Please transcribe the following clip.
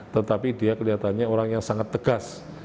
tetapi dia kelihatannya orang yang sangat tegas